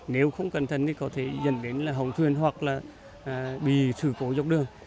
nếu không cẩn thận thì có thể dẫn đến hồng thuyền hoặc là bị sự phối dọc đường